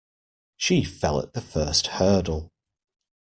She fell at the first hurdle.